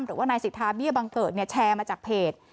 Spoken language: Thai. หรือว่านายสิทธาเบี้ยบังเกิดแชร์มาจากเพจ